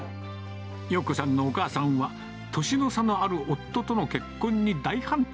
洋子さんのお母さんは、年の差のある夫との結婚に大反対。